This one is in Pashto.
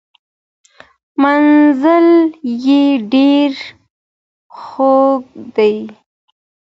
منزل یې ډیر خوږ دی.